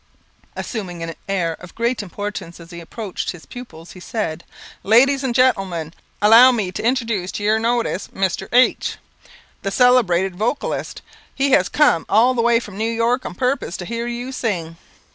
Assuming an air of great importance as he approached his pupils, he said "Ladies and gentlemen, allow me to introduce to your notice Mr. H , the celebrated vocalist. He has cum all the way from New York on purpose to hear you sing."